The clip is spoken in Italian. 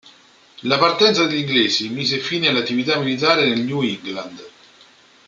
La partenza degli inglesi mise fine alle attività militari nel New England.